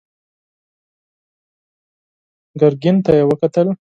ګرګين ته يې وکتل.